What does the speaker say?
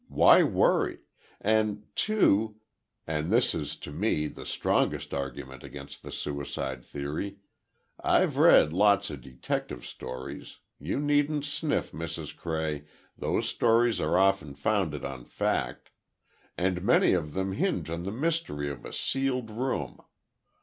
Why worry? And too—and this is to me the strongest argument against the suicide theory—I've read lots of detective stories—you needn't sniff, Mr. Cray, those stories are often founded on fact—and many of them hinge on the mystery of a sealed room.